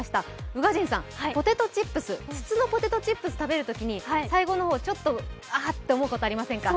宇賀神さん、筒のポテトチップス食べるときに最後の方ちょっと、あーっと思うことありませんか？